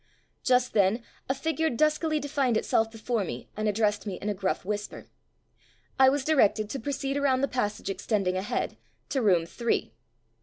Just then a figure duskily defined itself before me and addressed me in a gruff whisper. I was directed to proceed around the passage extending ahead, to Room Three.